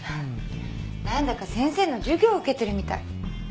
何だか先生の授業を受けてるみたい。